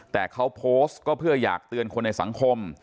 แต่เขาโพสต์ก็เพื่ออยากเตือนคนในสังคม